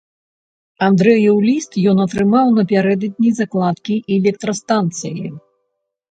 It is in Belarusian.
Андрэеў ліст ён атрымаў напярэдадні закладкі электрастанцыі.